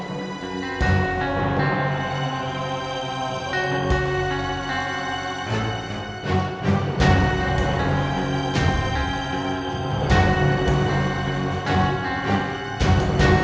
ketika dia membuka kudamatanya